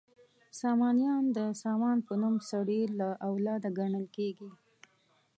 سامانیان د سامان په نوم سړي له اولاده ګڼل کیږي.